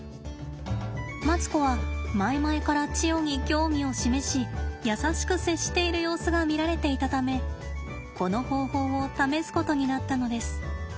マツコは前々からチヨに興味を示し優しく接している様子が見られていたためこの方法を試すことになったのです。